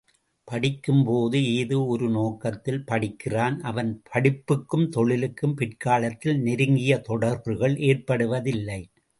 படிக்கும்போது ஏதோ ஒரு நோக்கத்தில் படிக்கிறான் அவன் படிப்புக்கும் தொழிலுக்கும் பிற்காலத்தில் நெருங்கிய தொடர்புகள் ஏற்படுவதில்லை.